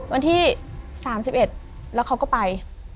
วันที่๓๑แล้วเขาก็ไป